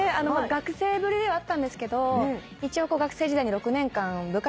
学生ぶりではあったんですけど一応学生時代に６年間部活で担当はしていて。